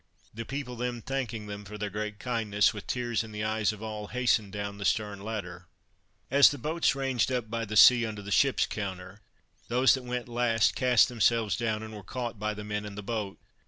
The people then thanking them for their great kindness, with tears in the eyes of all, hastened down the stern ladder. As the boats ranged up by the sea under the ships counter, those that went last cast themselves down, and were caught by the men in the boat.